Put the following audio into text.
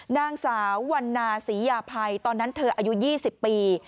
นางสาววันนาศรียาภัยตอนนั้นเธออายุ๒๐ปี